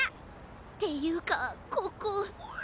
っていうかここ。